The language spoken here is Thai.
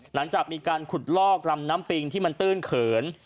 หลังจากมีการขุดลอกลำน้ำปิงที่มันตื้นเขิน